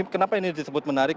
kenapa ini disebut menarik